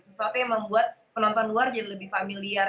sesuatu yang membuat penonton luar jadi lebih familiar